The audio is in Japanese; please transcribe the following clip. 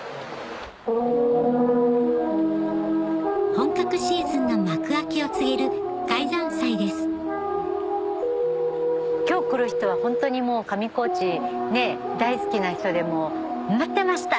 本格シーズンの幕開けを告げる開山祭です今日来る人はホントに上高地大好きな人で待ってました！